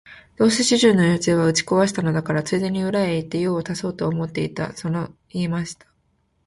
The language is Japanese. どうせ主人の予定は打ち壊したのだから、ついでに裏へ行って用を足そうと思ってのそのそ這い出した